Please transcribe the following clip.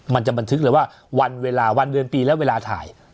มันจะบันทึกเลยว่าวันเวลาวันเดือนปีและเวลาถ่าย